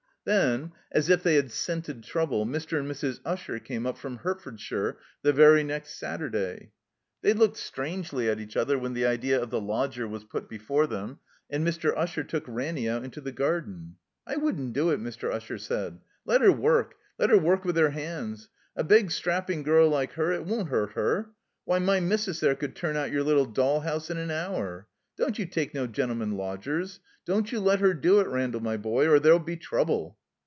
Then, as if they had scented trouble, Mr. and Mrs. Usher came up from Hertfordshire the very next Satiu day. They looked strangely at each other when the idea of the lodger was put before them, and Mr. Usher took Ranny out into the gar den. "I wouldn't do it," Mr. Usher said. "Let her work, let her work with her 'ands. A big, strapping girl like her, it won't hurt her. Why, my Missis there could turn out your little doll 'ouse in a hour. Don't you take no gentlemen lodgers. Don't you let her do it, Randall, my boy, or there'll be trouble."